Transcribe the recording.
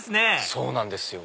そうなんですよ。